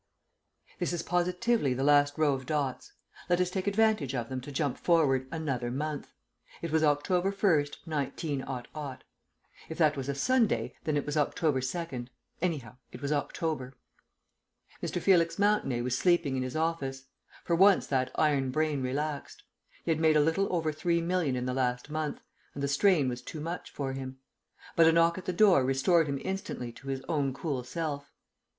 ..... This is positively the last row of dots. Let us take advantage of them to jump forward another month. It was October 1st, 19 . (If that was a Sunday, then it was October 2nd. Anyhow, it was October.) Mr. Felix Mountenay was sleeping in his office. For once that iron brain relaxed. He had made a little over three million in the last month, and the strain was too much for him. But a knock at the door restored him instantly to his own cool self.